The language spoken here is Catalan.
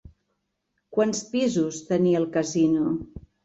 Quants pisos tenia el casino?